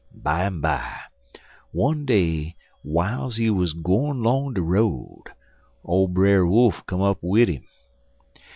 Bimeby, one day wiles he wuz gwine 'long de road, old Brer Wolf come up wid 'im.